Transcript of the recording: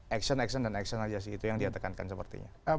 action action dan action aja sih itu yang dia tekankan sepertinya